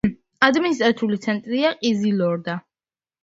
ადმინისტრაციული ცენტრია ყიზილორდა.